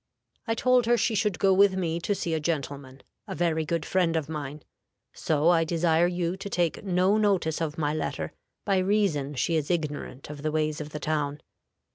I told her she should go with me to see a gentleman, a very good friend of mine; so I desire you to take no notice of my letter by reason she is ignorant of the ways of the town.